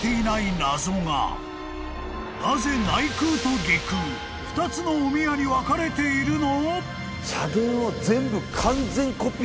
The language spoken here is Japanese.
［なぜ内宮と外宮２つのお宮に分かれているの？］